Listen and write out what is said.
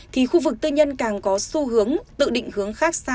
thì khu vực tư nhân càng có xu hướng tự định hướng khác xa